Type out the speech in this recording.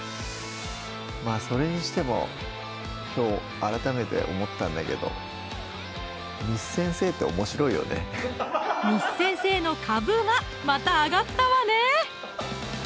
それにしてもきょう改めて思ったんだけど簾先生のかぶがまた上がったわね